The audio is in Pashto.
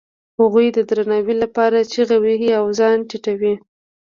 هغوی د درناوي لپاره چیغې وهي او ځان ټیټوي.